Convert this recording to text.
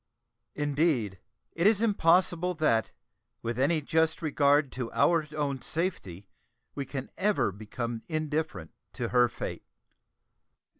Indeed, it is impossible that, with any just regard to our own safety, we can ever become indifferent to her fate.